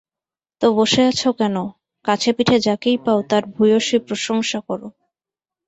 তো বসে আছো কেন, কাছেপিঠে যাকেই পাও, তার ভূয়সী প্রশংসা করো।